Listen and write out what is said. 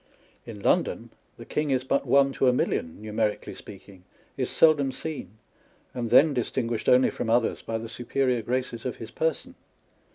In London the king is but as one On the Spirit of Obligations. 105 to a million (numerically speaking), is seldom seen, and then distinguished only from others by the superior graces of his person.